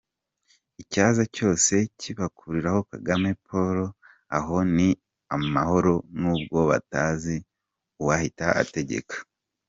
Icyaza cyose kibakuriraho Kagame Paul, aho ni amahoro nubwo batazi uwahita ategeka.